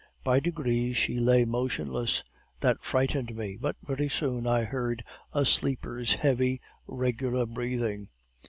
By degrees she lay motionless. This frightened me; but very soon I heard a sleeper's heavy, regular breathing.